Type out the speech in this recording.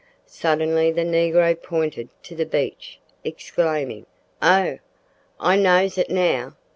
Suddenly the negro pointed to the beach, exclaiming, "Oh! I knows it now!